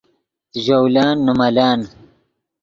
ژولن نے ملن